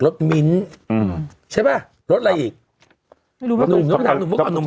รสมิ้นอืมใช่ป่ะรสอะไรอีกไม่รู้ป่ะนุ่มนุ่มนุ่มนุ่ม